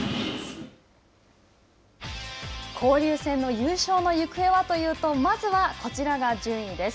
交流戦の優勝の行方はというと、まずはこちらが順位です。